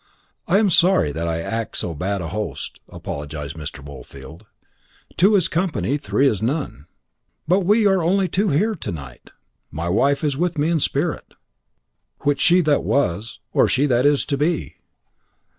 "I am sorry that I act so bad a host," apologised Mr. Woolfield. "Two is company, three is none." "But we are only two here to night." "My wife is with me in spirit." "Which, she that was, or she that is to be?"